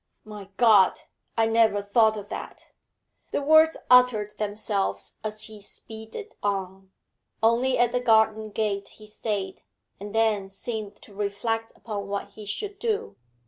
'My God! I never thought of that.' The words uttered themselves as he speeded on. Only at the garden gate he stayed, and then seemed to reflect upon what he should do.